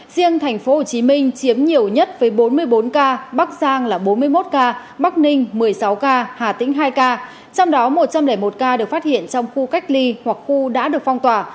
riêng tp hcm chiếm nhiều nhất với bốn mươi bốn ca bắc giang là bốn mươi một ca bắc ninh một mươi sáu ca hà tĩnh hai ca trong đó một trăm linh một ca được phát hiện trong khu cách ly hoặc khu đã được phong tỏa